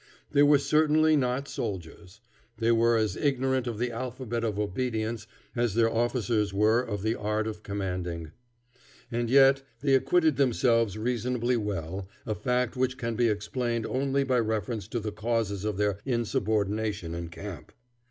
They were certainly not soldiers. They were as ignorant of the alphabet of obedience as their officers were of the art of commanding. And yet they acquitted themselves reasonably well, a fact which can be explained only by reference to the causes of their insubordination in camp.